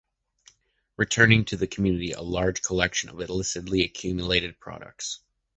Returning to the community the large collection of illicitly-accumulated products